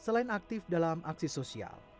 selain aktif dalam aksi sosial